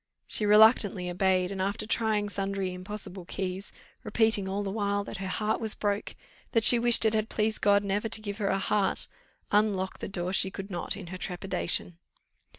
She reluctantly obeyed; and, after trying sundry impossible keys, repeating all the while that her heart was broke, that she wished it had pleased God never to give her a heart, unlock the door she could not in her trepidation.